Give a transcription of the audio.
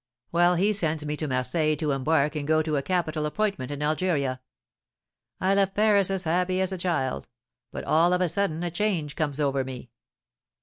Well, he sends me to Marseilles to embark and go to a capital appointment in Algeria. I left Paris as happy as a child; but, all of a sudden, a change comes over me."